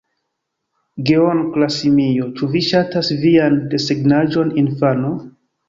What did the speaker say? Geonkla simio: "Ĉu vi ŝatas vian desegnaĵon, infano?"